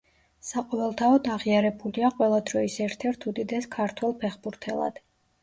საყოველთაოდ აღიარებულია ყველა დროის ერთ-ერთ უდიდეს ქართველ ფეხბურთელად.